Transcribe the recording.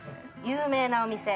有名なお店。